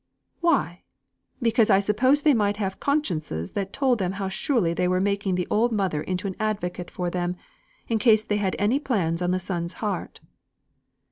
"Why! because I suppose they might have consciences that told them how surely they were making the old mother into an advocate for them, in case they had any plans on the son's heart."